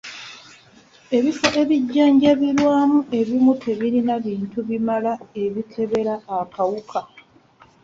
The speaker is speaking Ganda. Ebifo ebijjanjabirwamu ebimu tebirina bintu bimala ebikebera kawuka.